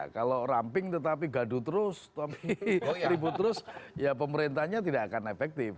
kalau ramping tetapi gaduh terus tapi ribut terus ya pemerintahnya tidak akan efektif